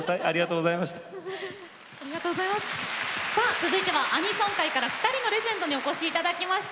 続いてはアニソン界から２人のレジェンドにお越しいただきました。